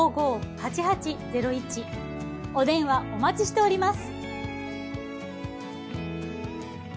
お電話お待ちしております。